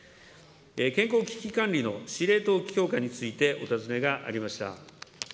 健康危機管理の司令塔強化についてお尋ねがありました。